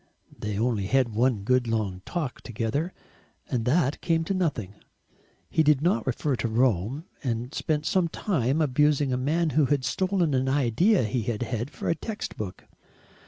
They only had one good long talk together, and that came to nothing. He did not refer to Rome, and spent some time abusing a man who had stolen an idea he had had for a text book.